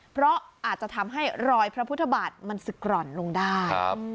เพราะอาจจะทำให้รอยพระพุทธบาทมันสกร่อนลงได้